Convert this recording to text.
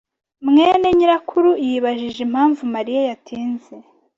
mwene nyirakuru yibajije impamvu Mariya yatinze.